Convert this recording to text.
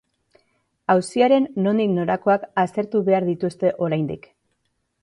Auziaren nondik norakoak aztertu behar dituzte oraindik.